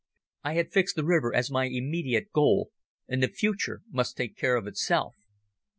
I had fixed the river as my immediate goal and the future must take care of itself.